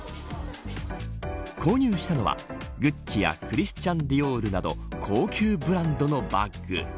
購入したのはグッチやクリスチャン・ディオールなど高級ブランドのバッグ。